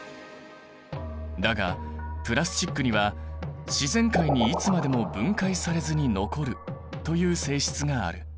だがプラスチックには自然界にいつまでも分解されずに残るという性質がある。